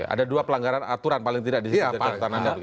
ada dua pelanggaran aturan paling tidak di sini